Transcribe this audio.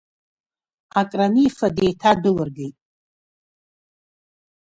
Акранифа деиҭадәылыргеит.